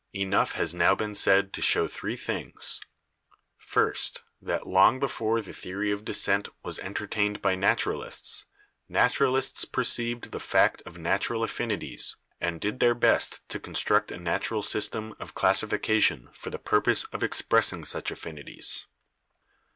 "Enough has now been said to show three things. First. 1 that long* before the theory of descent was entertained by. naturalists, naturalists perceived the fact of natural affini ties and did their best to construct a natural system of classification for the purpose of expressing such affinities.'